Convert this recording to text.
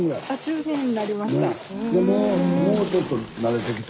もうちょっと慣れてきた？